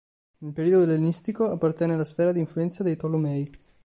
Nel periodo ellenistico appartenne alla sfera di influenza dei Tolomei.